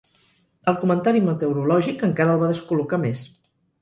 El comentari meteorològic encara el va descol·locar més.